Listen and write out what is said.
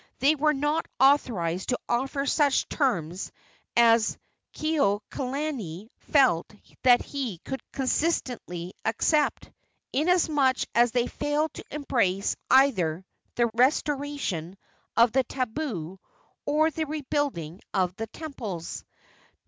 They were not authorized to offer such terms as Kekuaokalani felt that he could consistently accept, inasmuch as they failed to embrace either the restoration of the tabu or the rebuilding of the temples.